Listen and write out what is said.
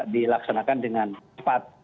dilaksanakan dengan cepat